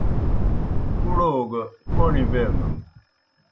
کُڑو گہ کوْݨیْ بینَن